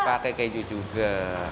iya pakai keju juga